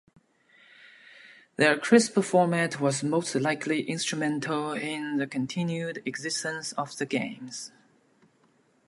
Their crisp format was most likely instrumental in the continued existence of the games.